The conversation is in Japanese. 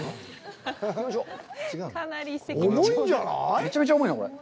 めちゃめちゃ重いな、これ。